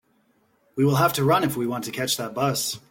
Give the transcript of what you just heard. We will have to run if we want to catch that bus.